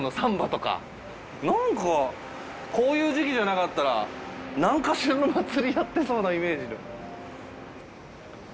なんかこういう時期じゃなかったら何かしらの祭りやってそうなイメージ。